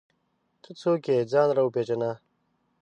ته څوک یې ؟ ځان راوپېژنه!